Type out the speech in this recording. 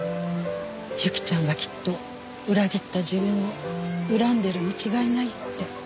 侑希ちゃんがきっと裏切った自分を恨んでいるに違いないって。